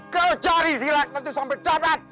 kau cari silat tentu sampai dapat